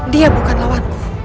dia bukan lawanku